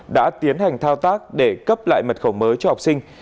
đã tiến hành thao tác để cấp lại mật khẩu mới cho học sinh